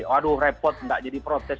waduh repot enggak jadi protes